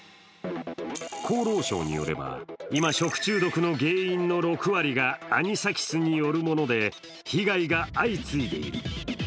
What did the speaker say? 厚労省によれば、今、食中毒の原因の６割がアニサキスによるもので被害が相次いでいる。